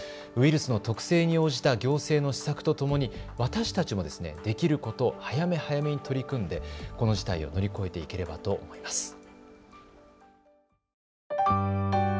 ウイルスの特性に応じた行政の施策とともに私たちもできること、早め早めに取り組んでこの事態を乗り越えていければと思います。